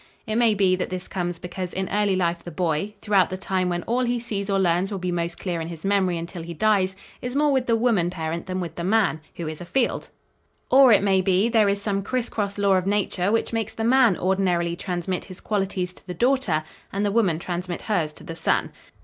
It may be that this comes because in early life the boy, throughout the time when all he sees or learns will be most clear in his memory until he dies, is more with the woman parent than with the man, who is afield; or, it may be, there is some criss cross law of nature which makes the man ordinarily transmit his qualities to the daughter and the woman transmit hers to the son.